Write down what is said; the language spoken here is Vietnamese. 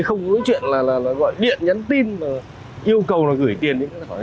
không có chuyện gọi điện nhắn tin yêu cầu gửi tiền